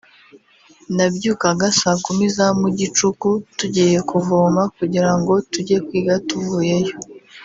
nabyukaga saa kumi za mu gicuku tugiye kuvoma kugira ngo tujye kwiga tuvuyeyo